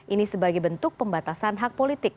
ini sebagai bentuk pembatasan hak politik